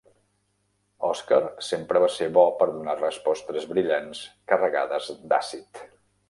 Oscar sempre va ser bo per donar respostes brillants carregades d'àcid.